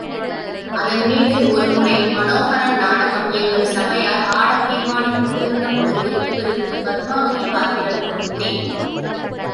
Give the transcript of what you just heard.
அதன்மீது ஒரு முறை மனோஹரன் நாடகம் எங்கள் சபையார் ஆடத் தீர்மானித்திருந்தபொழுது இவருக்குப் பத்மாவதி பாத்திரம் கொடுத்தேன்.